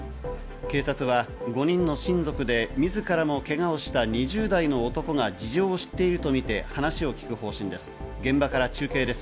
警察は５人の親族でみずからもけがをした２０代の男が事情を知っているとみて話を聞く方針です。